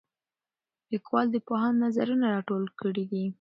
لیکوال د پوهانو نظرونه راټول کړي دي.